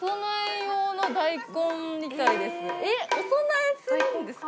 えっお供えするんですか